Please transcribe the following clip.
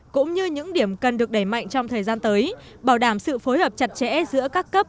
cũng như những điểm cần được đẩy mạnh trong thời gian tới bảo đảm sự phối hợp chặt chẽ giữa các cấp